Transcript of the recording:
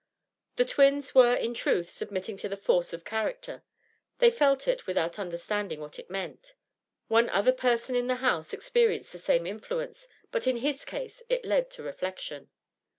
The twins were in truth submitting to the force of character. They felt it without understanding what it meant; one ether person in the house experienced the same influence, but in his case it led to reflection.